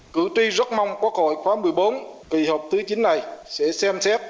cử tri rất mong quốc hội khóa một mươi bốn kỳ họp thứ chín này sẽ xem xét